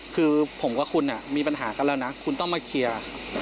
คือผมกับคุณมีปัญหากันแล้วนะคุณต้องมาเคลียร์